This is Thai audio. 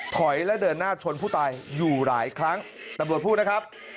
ถอยและเดินหน้าชนผู้ตายอยู่หลายครั้งตำรวจพูดนะครับ